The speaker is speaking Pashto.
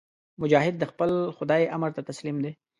مجاهد د خپل خدای امر ته تسلیم دی.